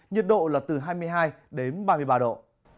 nhiệt độ là từ hai mươi tám đến hai mươi tám độ